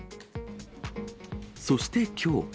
そしてきょう。